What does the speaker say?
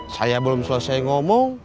saya belum selesai ngomong